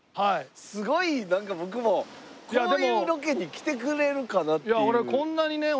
すごいなんか僕もこういうロケに来てくれるかな？っていう。